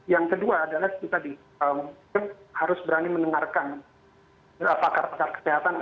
yang kedua adalah itu tadi kita harus berani mendengarkan pakar pakar kesehatan